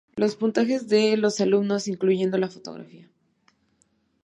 Los puntajes de los alumnos, incluyendo la fotografía.